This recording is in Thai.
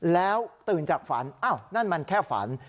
แล้วตื่นจากฝันอ้าวนั่นมันแค่ฝัน